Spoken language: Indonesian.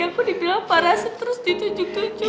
aku dibilang pak rasif terus ditunjuk tunjuk